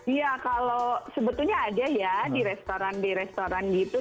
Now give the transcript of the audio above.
iya kalau sebetulnya ada ya di restoran di restoran gitu